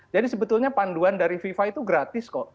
jadi sebetulnya panduan dari viva itu gratis kok